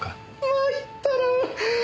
参ったなあ！